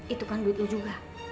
itu kan duit lo juga